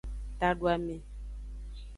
Taduame.